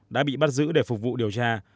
đã bị bắt giữ để phục vụ điều tra